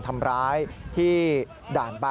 สวัสดีครับ